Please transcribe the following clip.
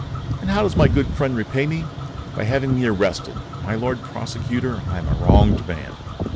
"And how does my good friend repay me? By having me arrested. My Lord Prosecutor, I am a wronged man."